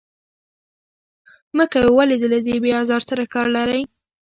مه کوئ، ولې له دې بې آزار سره کار لرئ.